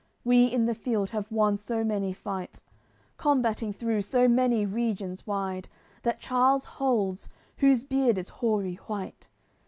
We in the field have won so many fights, Combating through so many regions wide That Charles holds, whose beard is hoary white!